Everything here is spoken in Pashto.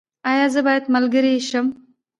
ایا زه باید ملګری شم؟